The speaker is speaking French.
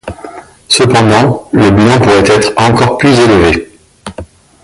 Cependant le bilan pourrait être encore plus élevé.